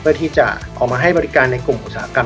เพื่อที่จะเอามาให้บริการในกลุ่มอุตสาหกรรม